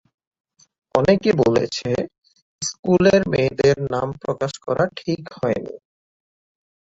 অনেকে বলেছে স্কুলের মেয়েদের নাম প্রকাশ করা ঠিক হয়নি।